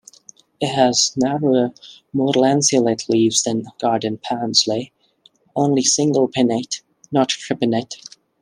It has narrower, more lanceolate leaves than garden parsley, only single pinnate, not tripinnate.